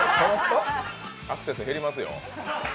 アクセス減りますよ。